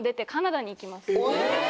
え！